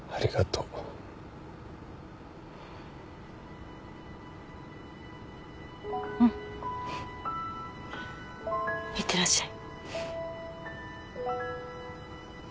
うん。いってらっしゃい。